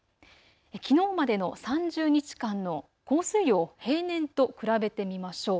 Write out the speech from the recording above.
きのうまでの３０日間の降水量を平年と比べてみましょう。